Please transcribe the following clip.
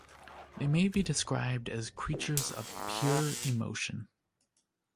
They may be described as creatures of pure emotion.